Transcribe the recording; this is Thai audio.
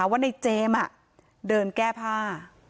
ว่าในเจมส์เดินแก้ผ้า